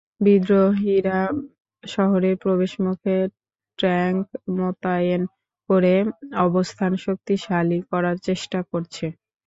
বিদ্রোহীরা শহরের প্রবেশমুখে ট্যাঙ্ক মোতায়েন করে অবস্থান শক্তিশালী করার চেষ্টা করছে।